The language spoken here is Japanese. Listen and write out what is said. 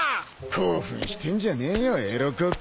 興奮してんじゃねえよエロコック。